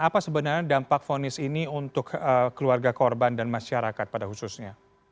apa sebenarnya dampak fonis ini untuk keluarga korban dan masyarakat pada khususnya